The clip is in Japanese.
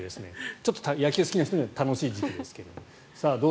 ちょっと野球好きな人には楽しい時期ですけれど。